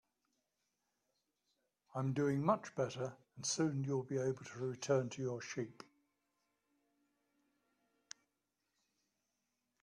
I'm doing much better, and soon you'll be able to return to your sheep.